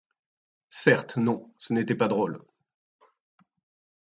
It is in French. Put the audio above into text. Certes, non, ce n’était pas drôle.